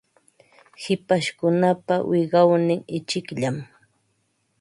Hipashkunapa wiqawnin ichikllam.